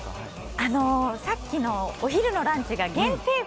さっきのお昼のランチが限定